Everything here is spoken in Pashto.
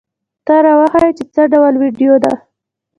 ته را وښیه چې څه ډول ویډیو ده؟